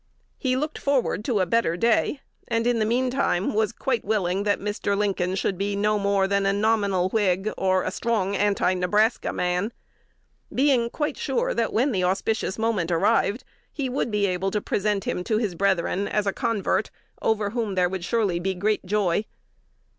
He looked forward to a better day, and, in the mean time, was quite willing that Mr. Lincoln should be no more than a nominal Whig, or a strong Anti Nebraska man; being quite sure, that, when the auspicious moment arrived, he would be able to present him to his brethren as a convert over whom there would surely be great joy.